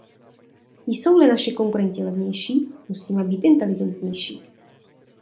Jsou-li naši konkurenti levnější, musíme být inteligentnější.